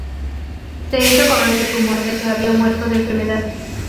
Se hizo correr el rumor de que había muerto de enfermedad.